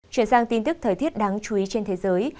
chuyển sang tin tức thời tiết đáng chú ý trên thế giới